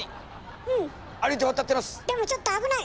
でもちょっと危ない！